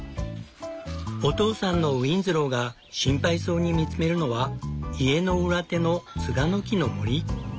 お父さんのウィンズローが心配そうに見つめるのは家の裏手のツガの木の森。